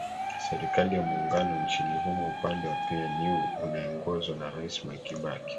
serikali ya muungano nchini humo upande wa pnu unaeongozwa na rais mwai kibaki